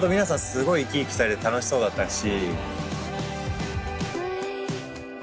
すごい生き生きされて楽しそうだったし。